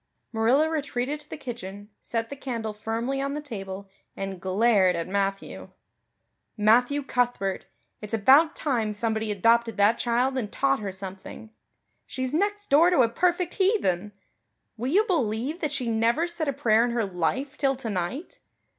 Marilla retreated to the kitchen, set the candle firmly on the table, and glared at Matthew. "Matthew Cuthbert, it's about time somebody adopted that child and taught her something. She's next door to a perfect heathen. Will you believe that she never said a prayer in her life till tonight?